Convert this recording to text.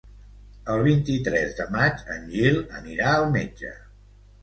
El vint-i-tres de maig en Gil anirà al metge.